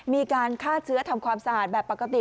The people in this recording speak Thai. มีการฆ่าเชื้อทำความสะอาดแบบปกติ